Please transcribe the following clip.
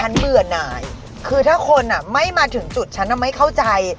เบื่อหน่ายคือถ้าคนอ่ะไม่มาถึงจุดฉันไม่เข้าใจ